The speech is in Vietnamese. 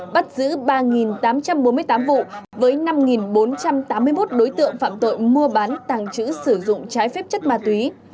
bắt giữ ba tám trăm bốn mươi tám vụ với năm bốn trăm tám mươi một đối tượng phạm tội mua bán tàng trữ sử dụng trái phép chất ma túy